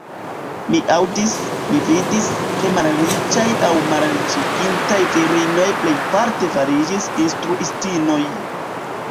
Mi aŭdis, mi vidis, ke malriĉaj aŭ malriĉiĝintaj virinoj plejparte fariĝas instruistinoj.